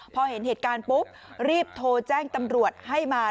พอเห็นเหตุการณ์ปุ๊บรีบโทรแจ้งตำรวจให้มา